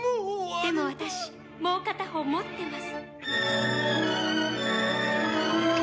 「でも私もう片方持ってます」